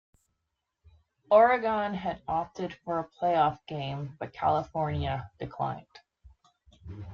Oregon had opted for a playoff game, but California declined.